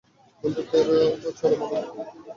বন্ধুরা, এটা চরম আনন্দের খবর।